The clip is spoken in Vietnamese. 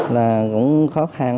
là cũng khó khăn